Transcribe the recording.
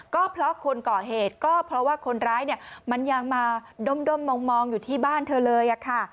ก็เพราะคนก่อเหตุก็เพราะว่าคนร้ายเนี่ยมันยังมาด้มมองอยู่ที่บ้านเธอเลยค่ะ